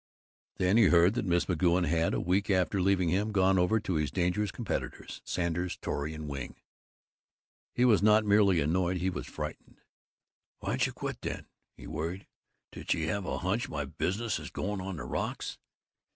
Then he heard that Miss McGoun had, a week after leaving him, gone over to his dangerous competitors, Sanders, Torrey and Wing. He was not merely annoyed; he was frightened. "Why did she quit, then?" he worried. "Did she have a hunch my business is going on the rocks?